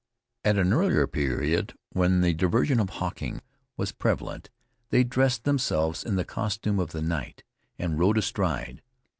At an early period when the diversion of hawking was prevalent, they dressed themselves in the costume of the knight, and rode astride.